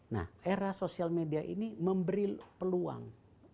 nah era sosial media ini memberi peluang